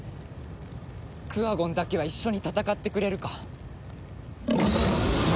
クワゴンだけは一緒に戦ってくれるか？